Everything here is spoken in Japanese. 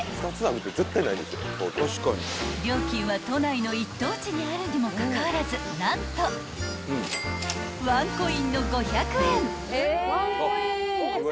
［都内の一等地にあるにもかかわらず何とワンコインの］